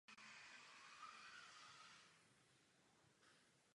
V současné době existuje záměr ji obnovit.